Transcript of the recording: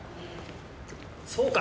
そうか？